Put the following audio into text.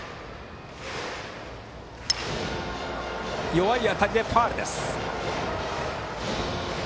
弱い当たりでファウル。